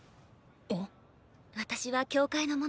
私は教会の者です。